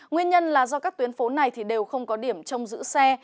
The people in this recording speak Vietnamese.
nguyên nhân là do các tuyến phố này đều không có điểm trong giữ xe